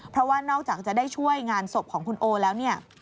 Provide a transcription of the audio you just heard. เพราะว่านอกจากจะได้ช่วยงานศพของคุณโอแล้วเนี่ย